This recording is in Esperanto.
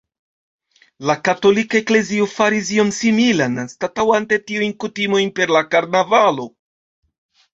La katolika eklezio faris ion similan anstataŭante tiujn kutimojn per la karnavalo.